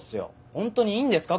ホントにいいんですか？